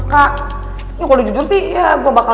karena udah masih samack bahaya